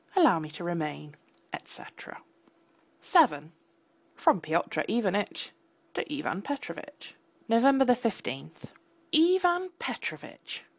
Allow me to remain, etc. VII (FROM PYOTR IVANITCH TO IVAN PETROVITCH) November 15. IVAN PETROVITCH!